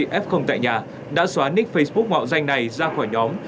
các bác sĩ f tại nhà đã xóa nick facebook ngọt danh này ra khỏi nhóm